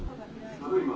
ただいま